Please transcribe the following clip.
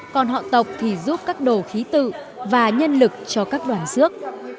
còn họ tộc thì giúp các đồ khí tự và nhân lực cho các đoàn rước